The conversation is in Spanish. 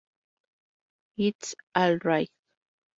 It's alright!